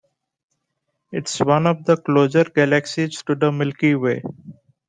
It is one of the closer galaxies to the Milky Way.